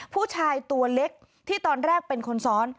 ผู้ชายตัวเล็กที่ตอนแรกเป็นคนซ้อน